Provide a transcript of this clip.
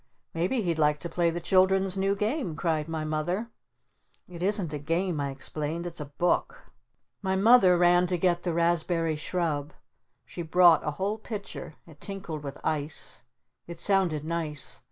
"Maybe he'd like to play the Children's new Game!" cried my Mother. "It isn't a Game," I explained. "It's a Book!" My Mother ran to get the Raspberry Shrub. She brought a whole pitcher. It tinkled with ice. It sounded nice.